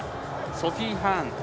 ソフィー・ハーン。